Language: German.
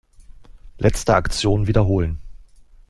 Letzte Aktion wiederholen.